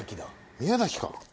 宮崎か。